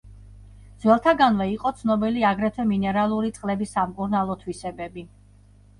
ძველთაგანვე იყო ცნობილი აგრეთვე მინერალური წყლების სამკურნალო თვისებები.